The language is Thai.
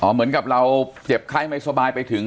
เหมือนกับเราเจ็บไข้ไม่สบายไปถึง